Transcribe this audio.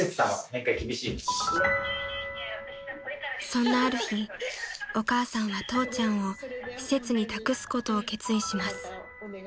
［そんなある日お母さんは父ちゃんを施設に託すことを決意します］